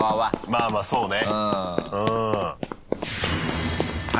まあまあそうね。